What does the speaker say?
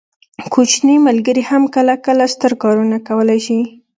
کوچني ملګري هم کله کله ستر کارونه کولی شي.